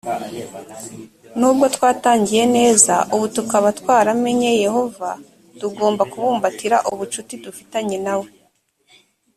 nubwo twatangiye neza ubu tukaba twaramenye yehova tugomba kubumbatira ubucuti dufitanye na we